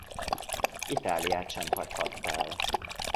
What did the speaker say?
Itáliát sem hagyhatta el.